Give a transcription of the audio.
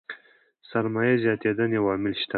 سرمايې زياتېدنې عوامل شته.